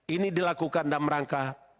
ini dilakukan dan merangkap